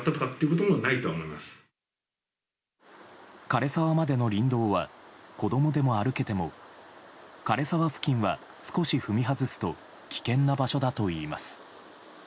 枯れ沢までの林道は子供でも歩けても枯れ沢付近は少し踏み外すと危険な場所だといいます。